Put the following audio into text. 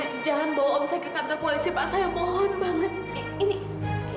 oke jangan bawa om saya ke kantor polisi pak saya mohon banget